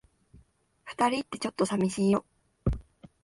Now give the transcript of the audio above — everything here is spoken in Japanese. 二人って、ちょっと寂しいよ。